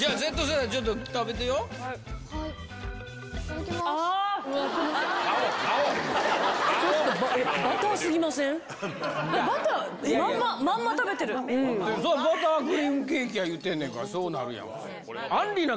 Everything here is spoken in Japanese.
そりゃ、バタークリームケーキや言ってんねんから、そうなるやん。